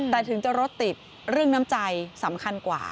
แต่ถึงจะรถติดเรื่องน้ำใจสำคัญกว่า